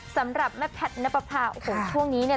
สำหรับแม่แพทย์นับประพาโอ้โหช่วงนี้เนี่ย